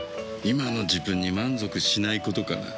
今の自分に満足しないことかな。